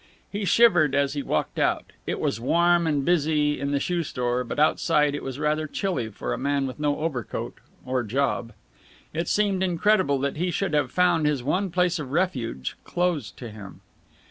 He shivered as he walked out. It was warm and busy in the shoe store, but outside it was rather chilly for a man with no overcoat or job. It seemed incredible that he should have found his one place of refuge closed to him.